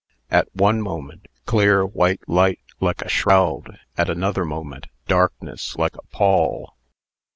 At one moment, clear, white light, like a shroud; at another moment, darkness, like a pall.